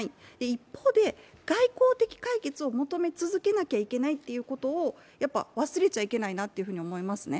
一方で外交的解決を求め続けなきゃいけないっていうのを忘れちゃいけないなと思いますね。